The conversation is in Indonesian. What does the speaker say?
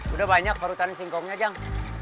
udah banyak parutan singkongnya jang